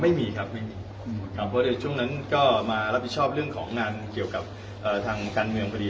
ไม่มีครับไม่มีครับเพราะในช่วงนั้นก็มารับผิดชอบเรื่องของงานเกี่ยวกับทางการเมืองพอดี